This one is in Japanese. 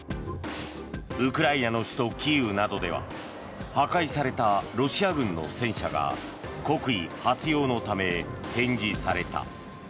ウクライナの首都キーウなどでは破壊されたロシア軍の戦車が国威発揚のため展示された。